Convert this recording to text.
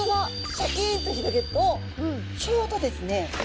シャキンと広げるとちょうどですね